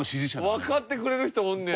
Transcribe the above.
わかってくれる人おんねや。